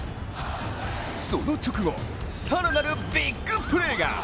その直後、更なるビッグプレーが。